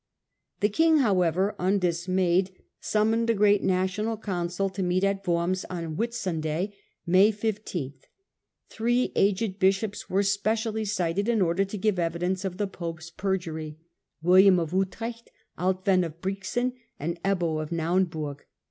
The king, however, undismayed, summoned a great national council to meet at Worms on Whitsun day (May 15). Three aged bishops were specially cited, in order to give evidence of the pope's perjury — William of Utrecht, Altwin of Brixen, and Ebbo of Naumburg.